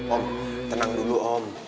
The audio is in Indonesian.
om tenang dulu om